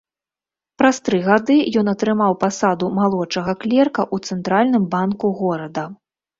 Праз тры гады ён атрымаў пасаду малодшага клерка ў цэнтральным банку горада.